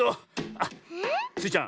あっ！スイちゃん。